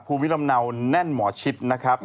ภูมิลำเนาแน่นหมอชิดนะครับ